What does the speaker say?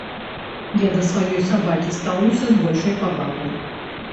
Я да сваёй сабакі стаўлюся з большай павагай.